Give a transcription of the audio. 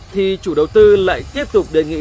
thì chủ đầu tư lại tiếp tục đề nghị